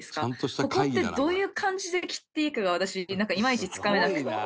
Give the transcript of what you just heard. ここってどういう感じで切っていいかが私いまいちつかめなくて。